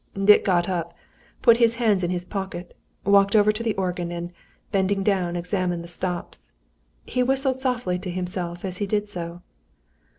Dick got up, put his hands in his pockets, walked over to the organ, and, bending down, examined the stops. He whistled softly to himself as he did so.